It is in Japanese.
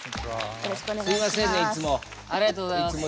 よろしくお願いします。